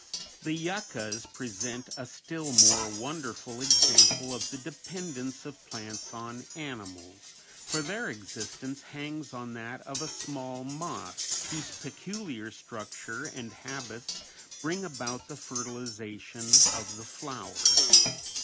The yuccas present a still more wonderful example of the dependence of plants on animals, for their existence hangs on that of a small moth whose peculiar structure and habits bring about the fertilization of the flower.